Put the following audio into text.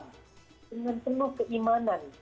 dengan penuh keimanan